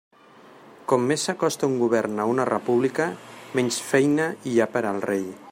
Com més s'acosta un govern a una república, menys feina hi ha per al rei.